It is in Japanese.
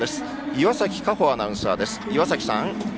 岩崎果歩アナウンサーです。